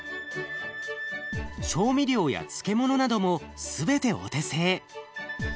調味料や漬物なども全てお手製。